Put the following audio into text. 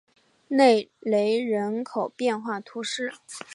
内雷人口变化图示